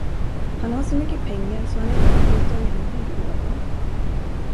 Han har så mycket pengar, så han inte kan skjuta igen byrålådorna!